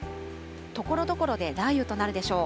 ところどころで雷雨となるでしょう。